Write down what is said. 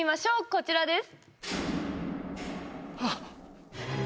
こちらです。